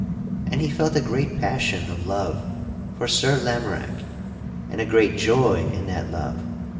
And he felt a great passion of love for Sir Lamorack, and a great joy in that love.